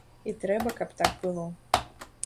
І трэба, каб так было.